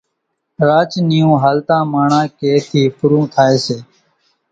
راچ نِيون هالتان ماڻۿان ڪنين ٿِي ڦُرون ٿائيَ سي۔